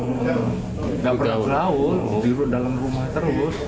gak pernah ke laut diru dalam rumah terus